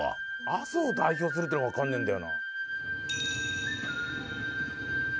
「阿蘇を代表する」っていうのがわかんねえんだよな。